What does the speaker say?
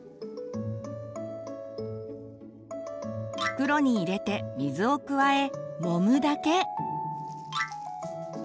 袋に入れて水を加えもむだけ。